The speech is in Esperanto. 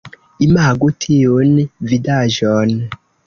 Imagu tiun vidaĵon!